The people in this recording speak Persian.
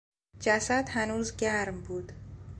جسد هنوز گرم بود.